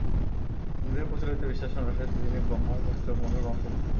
হিন্দুদের প্রচলিত বিশ্বাস অনুসারে, তিনি ব্রহ্মার পৌত্র মনুর বংশধর।